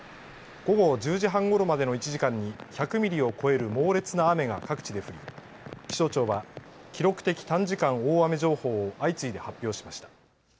午後１０時半ごろまでの１時間に１００ミリを超える猛烈な雨が各地で降り気象庁は記録的短時間大雨情報を相次いで発表しました。